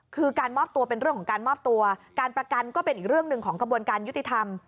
คือการมอบตัวเป็นเรื่องของการมอบตัวการประกันก็เป็นอีกเรื่องหนึ่งของกระบวนการยุติธรรม